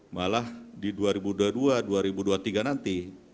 malah di dua ribu dua puluh dua dua ribu dua puluh tiga nanti